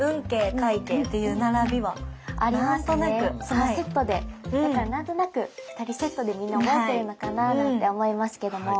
そのセットでだから何となく２人セットでみんな覚えてるのかななんて思いますけども。